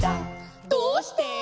「どうして？」